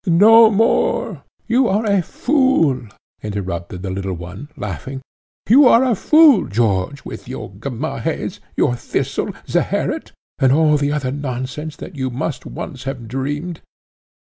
no more " "You are a fool!" interrupted the little one, laughing; "you are a fool, George, with your Gamahehs, your Thistle, Zeherit, and all the other nonsense that you must once have dreamed.